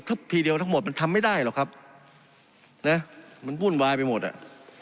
ถ้าทีเดียวทั้งหมดมันทำไม่ได้หรอกครับนะมันวุ่นวายไปหมดอ่ะ